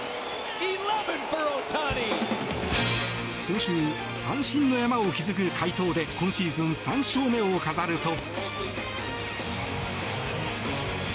今週、三振の山を築く快投で今シーズン３勝目を飾ると。